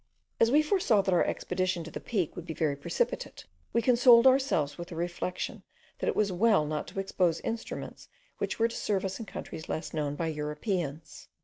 As we foresaw that our expedition to the peak would be very precipitate, we consoled ourselves with the reflection that it was well not to expose instruments which were to serve us in countries less known by Europeans.